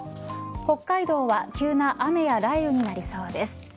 北海道は急な雨や雷雨になりそうです。